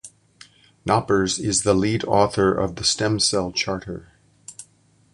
Knoppers is the lead author of the Stem Cell Charter.